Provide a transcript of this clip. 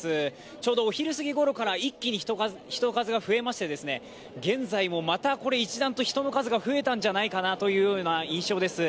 ちょうどお昼過ぎごろから、一気に人数が増えまして現在もまた一段と人の数が増えたんじゃないかなという印象です。